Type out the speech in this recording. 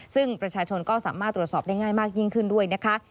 ซึ่งประชาชนก็สามารถตรวจสอบได้ง่ายมากยิ่งขึ้นด้วยนะคะ